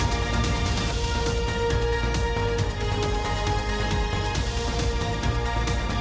สวัสดีค่ะ